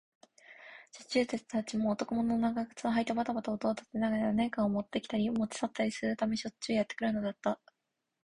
女中たちも、男物の長靴をはいてばたばた音を立てながら、何かをもってきたり、もち去ったりするためにしょっちゅうやってくるのだった。